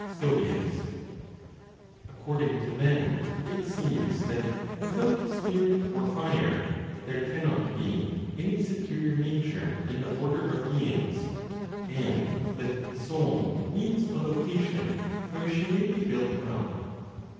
According to them, it seems that, without spirit or fire, there cannot be any superior nature in the order of beings, and that the soul needs a location where she may be built up.